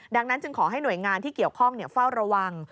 ดังนั้นจึงขอให้หน่วยงานที่เกี่ยวข้องเฝ้าระวัง